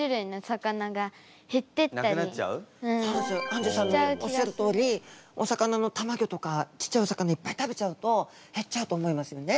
あんじゅさんのおっしゃるとおりお魚のたまギョとかちっちゃいお魚いっぱい食べちゃうと減っちゃうと思いますよね？